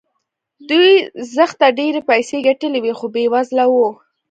دوی زښته ډېرې پيسې ګټلې وې خو بې وزله وو.